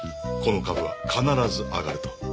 この株は必ず上がると。